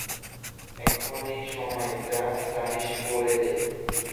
এখনই সময়, যা জানিস বলে দে।